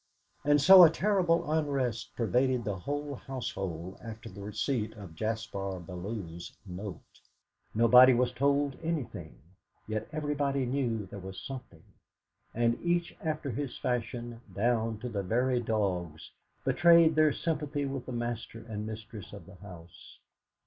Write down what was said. And so a terrible unrest pervaded the whole household after the receipt of Jaspar Bellew's note. Nobody was told anything, yet everybody knew there was something; and each after his fashion, down to the very dogs, betrayed their sympathy with the master and mistress of the house.